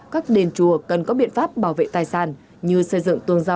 các đền chùa cần có biện pháp bảo vệ tài sản như xây dựng tôn giáo